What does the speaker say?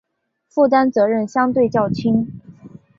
负担责任相对较轻